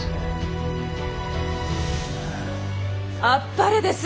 あっぱれです！